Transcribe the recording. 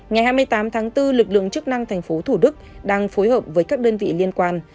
ngày hai mươi tám tháng bốn lực lượng chức năng tp thủ đức đang phối hợp với các đơn vị liên quan